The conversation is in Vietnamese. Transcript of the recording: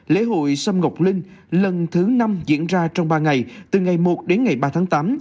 lễ hội sâm ngọc linh lần thứ năm diễn ra trong ba ngày từ ngày một đến ngày ba tháng tám